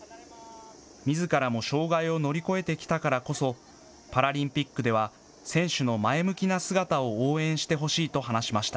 みずからも障害を乗り越えてきたからこそ、パラリンピックでは選手の前向きな姿を応援してほしいと話しました。